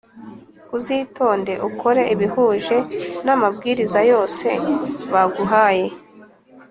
Uzitonde ukore ibihuje n amabwiriza yose baguhaye